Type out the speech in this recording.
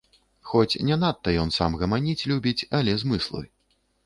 Хоць не надта ён сам гаманіць любіць, але змыслы.